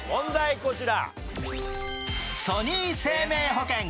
こちら。